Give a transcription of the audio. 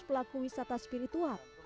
pelaku wisata spiritual